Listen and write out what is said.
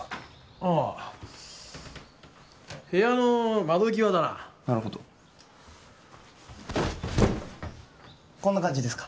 ああ部屋の窓際だななるほどこんな感じですか？